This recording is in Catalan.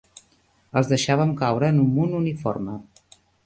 Els deixàvem caure en un munt uniforme